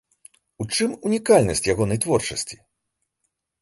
У чым унікальнасць ягонай творчасці?